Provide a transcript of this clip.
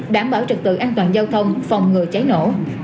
đảm bảo trực tự an toàn giao thông phòng ngừa cháy nổ